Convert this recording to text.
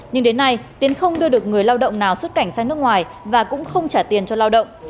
nhưng đến nay tiến không đưa được người lao động nào xuất cảnh sang nước ngoài và cũng không trả tiền cho lao động